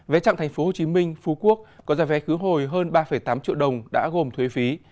vé trạng tp hcm phú quốc có giá vé cứu hồi hơn ba tám triệu đồng đã gồm thuế phí